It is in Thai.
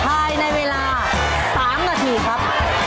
ภายในเวลา๓นาทีครับ